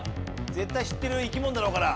絶対知ってる生き物だろうから。